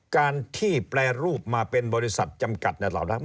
การที่แปรรูปมาเป็นบริษัทจำกัดในตลาดหลักทรัพย์